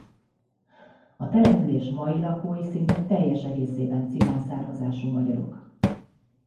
A település mai lakói szinte teljes egészében cigány származású magyarok.